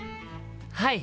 はい。